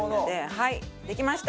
はいできました！